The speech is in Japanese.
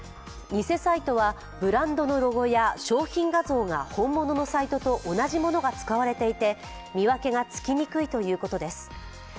偽サイトはブランドのロゴや商品画像が本物のサイトと同じものが使われていて見分けがつきにくいということです。